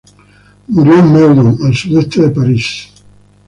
Murió en Meudon, al sudoeste de París.